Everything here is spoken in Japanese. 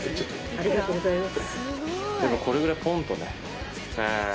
ありがとうございます。